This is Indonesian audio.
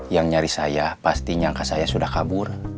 yang nyari saya pastinya angka saya sudah kabur